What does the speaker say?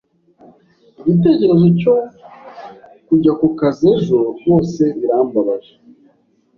Igitekerezo cyo kujya kukazi ejo rwose birambabaje.